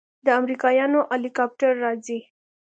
د امريکايانو هليكاپټر راځي.